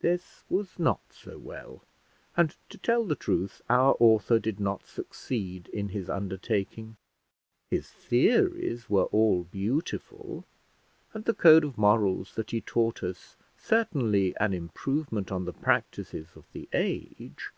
This was not so well; and, to tell the truth, our author did not succeed in his undertaking. His theories were all beautiful, and the code of morals that he taught us certainly an improvement on the practices of the age.